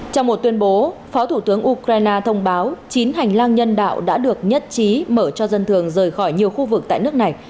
trong một tuyên bố phó thủ tướng ukraine thông báo chín hành lang nhân đạo đã được nhất trí mở cho dân thường rời khỏi nhiều khu vực tại nước này